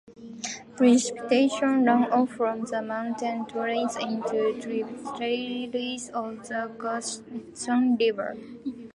Precipitation runoff from the mountain drains into tributaries of the Gunnison River.